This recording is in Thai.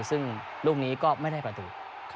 ซึ่งลูกนี้ก็ไม่ได้ประตู